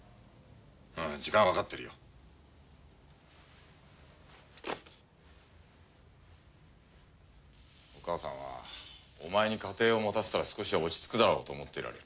あぁ時間はわかってるよ。お母さんはお前に家庭を持たせたら少しは落ち着くだろうと思っておられる。